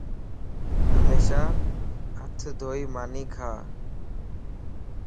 ھميشا ھٿ ڌوئي ماني کا